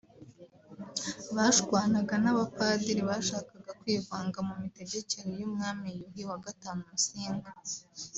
bashwanaga n’abapadiri bashakaga kwivanga mu mitegekere y’Umwami Yuhi V Musinga